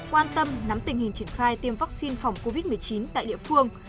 quan tâm nắm tình hình triển khai tiêm vaccine phòng covid một mươi chín tại địa phương